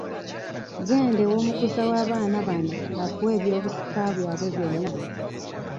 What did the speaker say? Genda ew'omukuza w'abaana bano akuwe eby'obusika byabwe byonna.